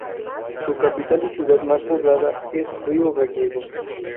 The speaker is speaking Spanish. Su capital y ciudad más poblada es Río Gallegos.